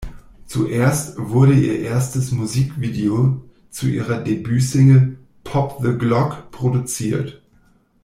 Zuerst wurde ihr erstes Musikvideo zu ihrer Debütsingle "Pop the Glock" produziert.